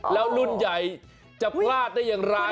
แล้วรุ่นใหญ่จะพลาดได้อย่างไร